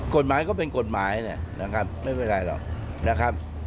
กฎหมายก็เป็นกฎหมายเนี่ยนะครับไม่เป็นไรหรอกนะครับ